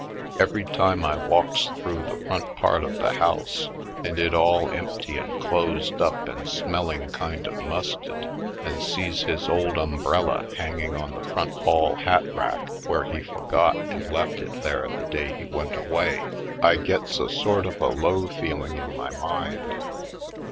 Every time I walks through the front part of the house, and it all empty and closed up and smelling kind of musted, and sees his old umbrella hanging on the front hall hat rack where he forgot and left it there the day he went away, I gets a sort of a low feeling in my mind.